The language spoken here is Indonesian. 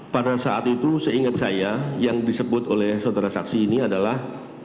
pada saat itu seingat saya yang disebut oleh saudara saksi ini adalah